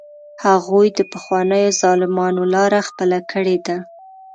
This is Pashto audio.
هغوی د پخوانیو ظالمانو لاره خپله کړې ده.